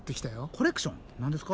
コレクション何ですか？